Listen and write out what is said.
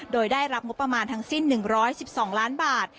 โดยได้รับงบประมาณทั้งสิ้น๑๑๒ล้านบาท